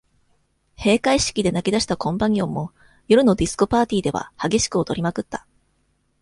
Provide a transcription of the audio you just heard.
閉会式で泣き出したコンパニオンも、夜のディスコパーティーでは、激しく踊りまくった。